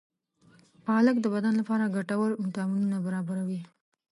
پالک د بدن لپاره ګټور ویټامینونه برابروي.